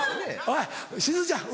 おいしずちゃん